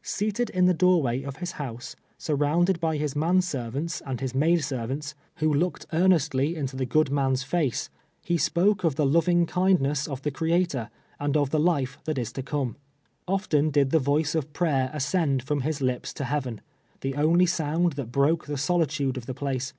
Seated in the doorway of his house, surrounded by his man ser vants and his maid servants, who looded earnestly into the good man's face, he spoke of the loving kindness of the Creator, and of the life that is to come. Often did the voice of prayer ascend from his lips to heaven, the only sound that broke the solitude of the place.